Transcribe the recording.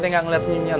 tengah ngeliat senyumnya